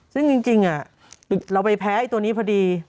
ซึ่งจริงเราไปแพ้ไอ้ตัวนี้พอดี